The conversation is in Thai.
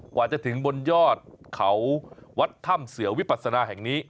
กว่าจะถึงบนยอดเขาวัดถ้ำเสือวิปัสนาแห่งนี้